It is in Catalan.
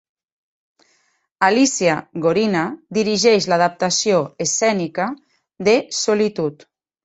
Alícia Gorina dirigeix l'adaptació escènica de 'Solitud'.